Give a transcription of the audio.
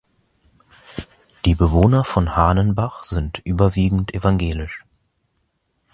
Die Einwohner von Hahnenbach sind überwiegend evangelisch.